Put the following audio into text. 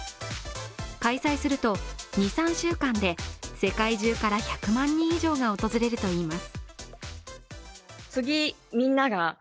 開催すると二、三週間で世界中から１００万人以上が訪れるといいます。